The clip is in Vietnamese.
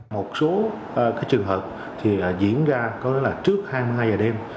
một số trường hợp diễn ra có lẽ là trước hai mươi hai h đêm